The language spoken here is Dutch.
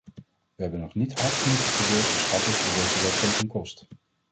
We hebben nog niet hard genoeg geprobeerd te schatten hoeveel deze wetgeving kost.